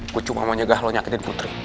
gue cuma mau nyegah lo nyakitin putri